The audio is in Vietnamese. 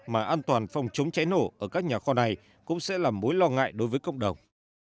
mà an toàn phòng chống cháy nổ ở các nhà kho này cũng sẽ là mối lo ngại đối với cộng đồng